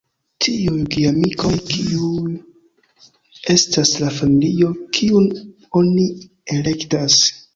Tiuj geamikoj kiuj estas la familio kiun oni elektas.